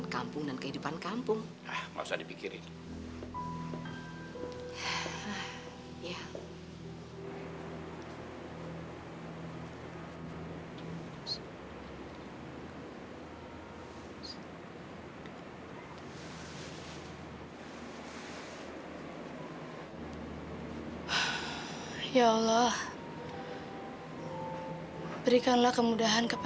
sampai jumpa di video selanjutnya